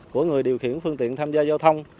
của người điều khiển phương tiện tham gia giao thông